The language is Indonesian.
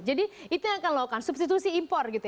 jadi itu yang akan dilakukan substitusi impor gitu ya